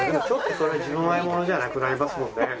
ちょっとそれは純愛ものじゃなくなりますもんね。